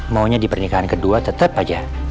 maunya di pernikahan kedua tetap aja